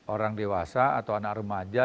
orang dewasa atau anak remaja